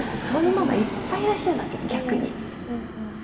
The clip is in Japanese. そういうママいっぱいいらっしゃるわけで逆に。